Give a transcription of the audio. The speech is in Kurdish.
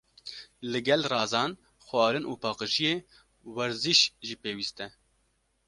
Li gel razan, xwarin û paqijiyê, werzîş jî pêwîst e.